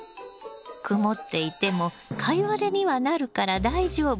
曇っていてもカイワレにはなるから大丈夫。